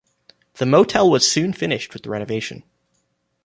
The motel was soon finished with the renovation.